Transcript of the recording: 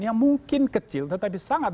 yang mungkin kecil tetapi sangat